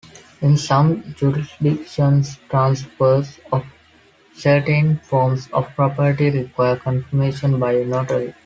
In some jurisdictions, transfers of certain forms of property require confirmation by a notary.